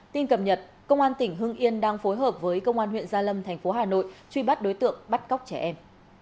tin cập nhật công an tỉnh hưng yên đang phối hợp với công an huyện gia lâm thành phố hà nội truy bắt đối tượng bắt cóc trẻ em